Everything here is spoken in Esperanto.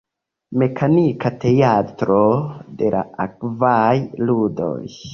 Mekanika teatro de la Akvaj Ludoj.